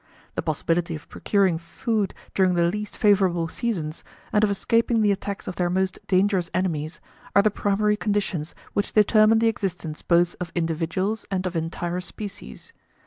The possibility of procuring food during the least favourable seasons, and of escaping the attacks of their most dangerous enemies, are the primary conditions which determine the existence both of individuals and of entire species.